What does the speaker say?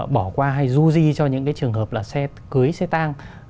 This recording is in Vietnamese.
bỏ qua hay du di cho những cái trường hợp là xe cưới xe tang